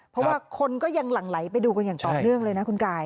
เพราะว่าคนก็ยังหลั่งไหลไปดูกันอย่างต่อเนื่องเลยนะคุณกาย